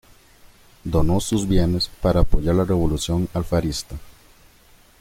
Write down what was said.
Donó sus bienes para apoyar la revolución alfarista.